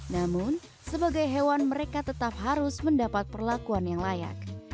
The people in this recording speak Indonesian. namun sebagai hewan mereka tetap harus mendapat perlakuan yang layak